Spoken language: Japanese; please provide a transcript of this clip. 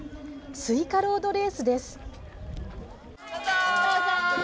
スイカロードレースです。